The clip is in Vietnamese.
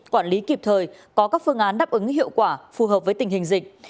quản lý kịp thời có các phương án đáp ứng hiệu quả phù hợp với tình hình dịch